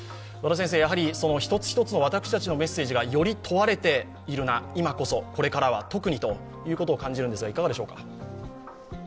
やはり一つ一つの私たちのメッセージがより問われているな、今こそ、これからは特にということを感じるんですがいかがでしょうか。